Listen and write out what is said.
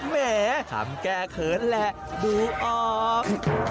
แหมทำแก้เขินแหละดูออก